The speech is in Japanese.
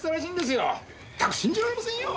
ったく信じられませんよ！